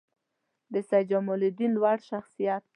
د سیدجمالدین لوړ شخصیت